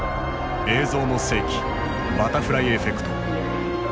「映像の世紀バタフライエフェクト」。